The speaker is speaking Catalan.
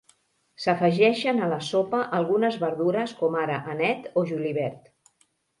S'afegeixen a la sopa algunes verdures com ara anet o julivert.